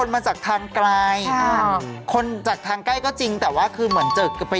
เป็นรักที่แบบยืนยาว